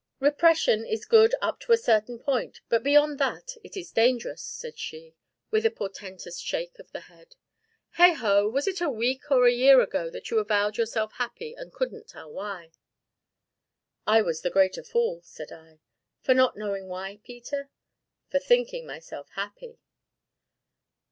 "Repression is good up to a certain point, but beyond that it is dangerous," said she, with a portentous shake of the head. "Heigho! was it a week or a year ago that you avowed yourself happy, and couldn't tell why?" "I was the greater fool!" said I. "For not knowing why, Peter?" "For thinking myself happy!"